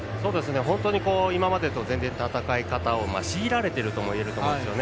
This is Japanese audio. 本当に今まで全然戦い方を強いられてるとも言えると思うんですよね。